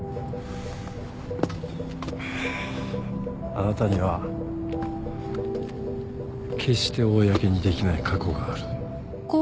あなたには決して公にできない過去がある。